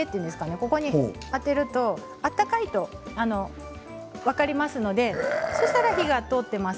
ここにあてると温かいと分かりますのでそうしたら火が通っています。